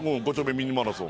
ミニマラソン